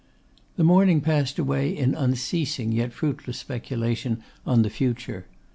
The morning passed away in unceasing yet fruitless speculation on the future.